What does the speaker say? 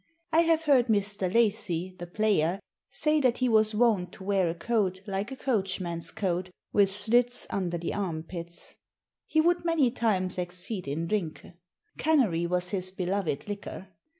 I have heard Mr. Lacy, the player, say that he was wont to weare a coate like a coach man's coate with slitts under the arme pitts. He would many times exceed in drinke. Canarie was his beloved liquer....